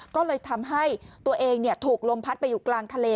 ก็เลยทำให้ตัวเองถูกลมพัดไปอยู่กลางทะเล